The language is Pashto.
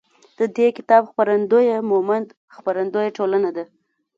د دې کتاب خپرندویه مومند خپروندویه ټولنه ده.